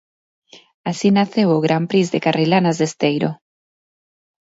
Así naceu o Gran Prix de Carrilanas de Esteiro.